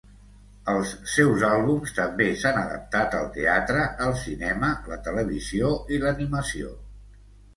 Els seus àlbums també s’han adaptat al teatre, el cinema, la televisió i l’animació.